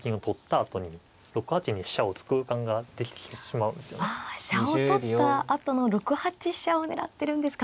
ああ飛車を取ったあとの６八飛車を狙ってるんですか。